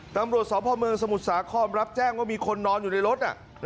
ตำรวจสพเมืองสมุทรสาครรับแจ้งว่ามีคนนอนอยู่ในรถ